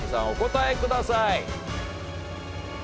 お答えください。